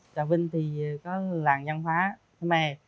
trà vinh thì có làng văn hóa thế mê